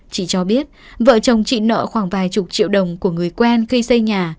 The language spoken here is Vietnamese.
chị cho biết vợ chồng chị nợ khoảng vài chục triệu đồng của người quen khi xây nhà